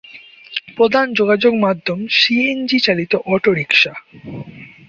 প্রধান যোগাযোগ মাধ্যম সিএনজি চালিত অটোরিক্সা।